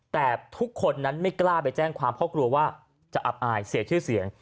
แต่ทุกคนนั้นไม่กล้าไปแจ้งความเพราะกลัวว่าจะอับอายเสียชื่อเสียง